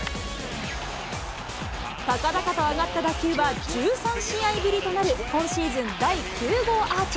高々と上がった打球は、１３試合ぶりとなる今シーズン第９号アーチ。